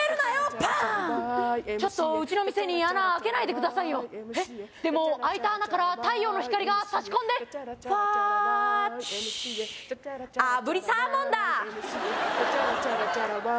パーンちょっとうちの店に穴開けないでくださいよでも開いた穴から太陽の光がさし込んでフワシューあぶりサーモンだチャチャラチャラチャラ